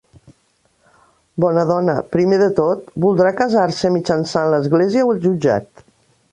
Bona dona, primer de tot, voldrà casar-se mitjançant l'església o el jutjat?